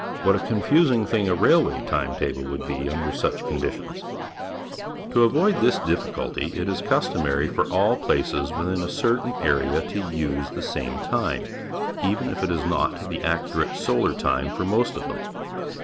What a confus i n g thing a railway time table would be under such conditions ! To avoid this difficulty, jt is cust omary for all plac(>s within a certain area to use the same .time, even if it is not the accurate solar time for most of them.